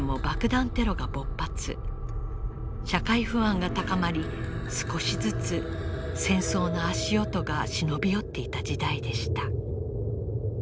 社会不安が高まり少しずつ戦争の足音が忍び寄っていた時代でした。